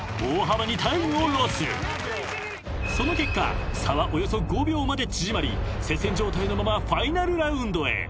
［その結果差はおよそ５秒まで縮まり接戦状態のままファイナルラウンドへ］